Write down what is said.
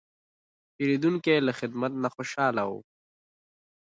پیرودونکی له خدمت نه خوشاله و.